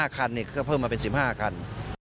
๕คันก็เพิ่มมาเป็น๑๕คัน